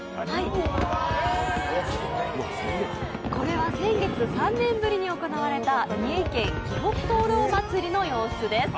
これは先月３年ぶりに行われた三重県きほく燈籠祭の様子です。